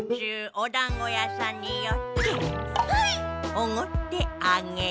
おごってあげる。